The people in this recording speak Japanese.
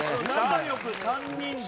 仲良く３人で。